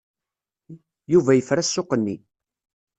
Yuba yefra ssuq-nni.